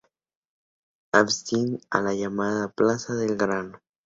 El ábside da a la llamada plaza del Grano.